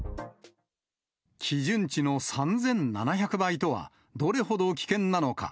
基準値の３７００倍とはどれほど危険なのか。